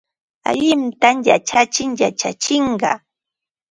Allintam yachachin yachachiqqa.